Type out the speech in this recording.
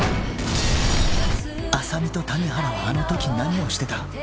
浅見と谷原はあの時何をしてた？